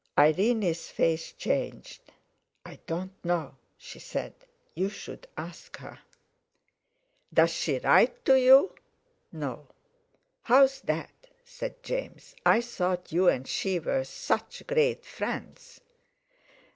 Irene's face changed. "I don't know," she said; "you should ask her." "Does she write to you?" "No." "No." "How's that?" said James. "I thought you and she were such great friends."